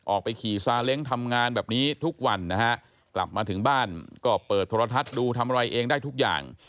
ออกไปขี่ซาเล้งทำงานแบบนี้ทุกวันนะฮะกลับมาถึงบ้านก็เปิดโทรทัศน์ดูทำอะไรเองได้ทุกอย่าง